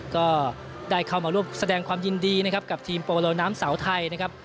ก็ได้เข้ามาร่วมแสดงความยินดีนะครับกับทีมโปโลน้ำเสาไทยนะครับ